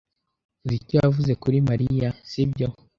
Uzi icyo yavuze kuri Mariya, sibyo?